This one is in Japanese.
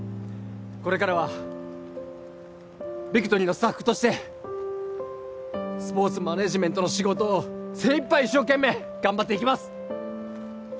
これからはビクトリーのスタッフとしてスポーツマネージメントの仕事を精いっぱい一生懸命頑張っていきます